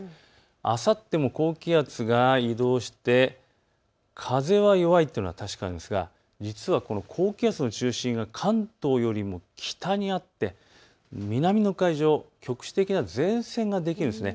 あさって、高気圧も移動して風が弱いですが実はこの高気圧の中心が関東よりも北にあって南の海上、局地的な前線ができるんです。